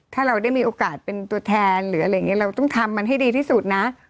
ถ้าเราได้มีโอกาสเป็นตัวแทนหรืออะไรอย่างนี้เราต้องทำมันให้ดีที่สุดนะ